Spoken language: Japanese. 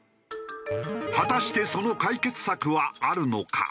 果たしてその解決策はあるのか？